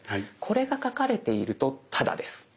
これが書かれているとタダです。